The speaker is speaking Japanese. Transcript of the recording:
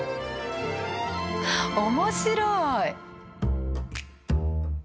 面白い。